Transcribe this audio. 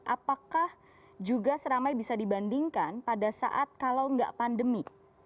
apakah juga seramai bisa dibandingkan pada saat kalau nggak pandemi